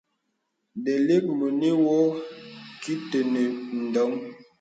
Dəklì mɔnì wɔ kì tənə ǹdɔŋ.